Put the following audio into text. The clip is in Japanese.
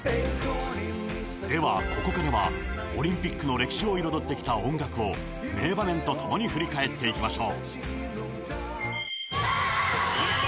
では、ここからはオリンピックの歴史を彩ってきた音楽と名場面をともに振り返っていきましょう。